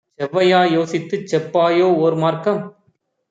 செவ்வையாய் யோசித்துச் செப்பாயோ ஓர்மார்க்கம்?'